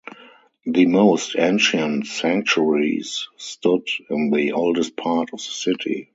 The most ancient sanctuaries stood in the oldest part of the city.